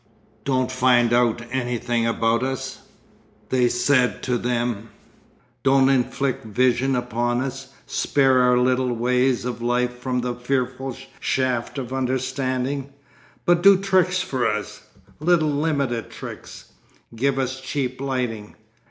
"Don't find out anything about us," they said to them; "don't inflict vision upon us, spare our little ways of life from the fearful shaft of understanding. But do tricks for us, little limited tricks. Give us cheap lighting.